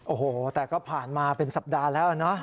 โอ้โหแต่ก็ผ่านมาเป็นสัปดาห์แล้วนะ